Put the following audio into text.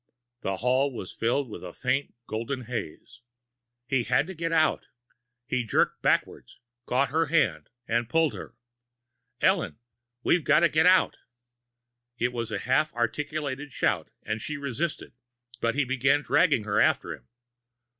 The hall was filled with a faint golden haze! He had to get out! He jerked backwards, caught her hand, and pulled her. "Ellen! We've got to get out!" It was a half articulate shout, and she resisted, but he began dragging her after him.